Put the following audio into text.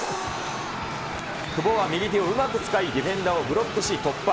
久保は右手をうまく使い、ディフェンダーをブロックし、突破。